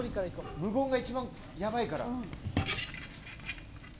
無言が一番やばいから。